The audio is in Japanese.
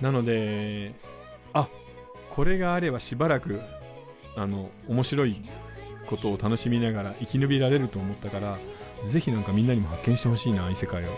なので「あこれがあればしばらく面白いことを楽しみながら生き延びられる」と思ったからぜひ何かみんなにも発見してほしいな異世界を。